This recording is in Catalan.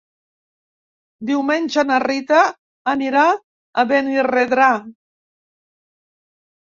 Diumenge na Rita anirà a Benirredrà.